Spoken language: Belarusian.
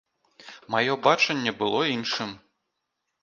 Маё бачанне было іншым.